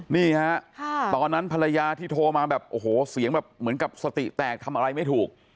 นี่ฮะตอนนั้นภรรยาที่โทรมาแบบโอ้โหเสียงแบบเหมือนกับสติแตกทำอะไรไม่ถูก